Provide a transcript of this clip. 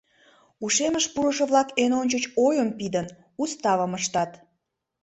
Ушемыш пурышо-влак эн ончыч, ойым пидын, уставым ыштат.